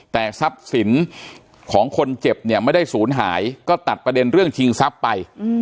แต่ทรัพย์สินของคนเจ็บเนี่ยไม่ได้ศูนย์หายก็ตัดประเด็นเรื่องชิงทรัพย์ไป